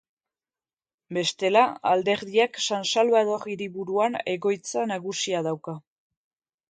Bestela, alderdiak San Salvador hiriburuan egoitza nagusia dauka.